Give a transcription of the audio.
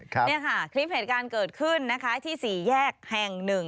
ครับนี้ค่ะคลิปเหตุการณ์เกิดขึ้นที่๔แยกแห่ง๑